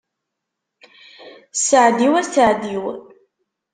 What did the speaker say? Saɛd-iw a saɛd-iw.